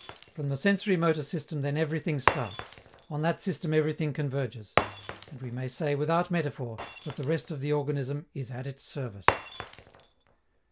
From the sensori motor system, then, everything starts; on that system everything converges; and we may say, without metaphor, that the rest of the organism is at its service.